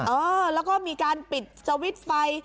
เออแล้วก็มีการปิดสวิตช์ไฟ